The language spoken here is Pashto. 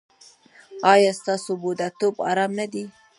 ایا ستاسو بوډاتوب ارام نه دی؟